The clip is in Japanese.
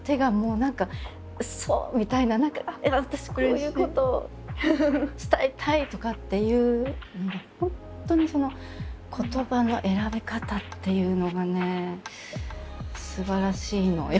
何か「今私こういうことを伝えたい！」とかっていうのが本当に言葉の選び方っていうのがねすばらしいのよ。